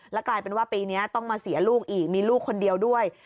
กลายเป็นว่าปีนี้ต้องมาเสียลูกอีกมีลูกคนเดียวด้วย